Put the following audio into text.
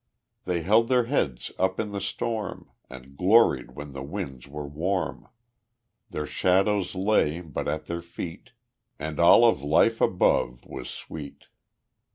They held their heads up in the storm, And gloried when the winds were warm; Their shadows lay but at their feet, And all of life above was sweet.